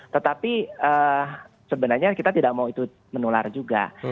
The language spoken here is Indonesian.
tetapi sebenarnya kita tidak mau itu menular juga